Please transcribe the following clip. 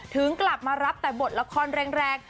ถึงกลับมารับแต่บทละครแรง